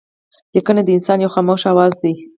لیکنه د انسان یو خاموشه آواز دئ.